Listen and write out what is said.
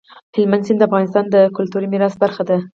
هلمند سیند د افغانستان د کلتوري میراث برخه ده.